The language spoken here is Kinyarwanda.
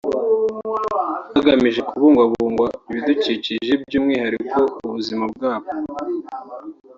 hagamijwe kabungwabungwa ibidukikije by’umwihariko ubuzima bwabo